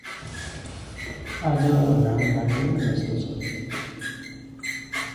आज घाम लाग्दैन जस्तो छ।